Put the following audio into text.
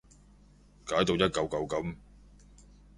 解到一舊舊噉